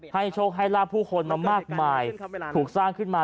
โชคให้ลาบผู้คนมามากมายถูกสร้างขึ้นมา